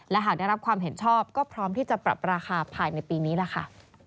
และหากได้รับความเห็นชอบก็พร้อมที่จะปรับราคาภายในปีนี้แหละค่ะ